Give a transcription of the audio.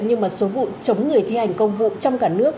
nhưng mà số vụ chống người thi hành công vụ trong cả nước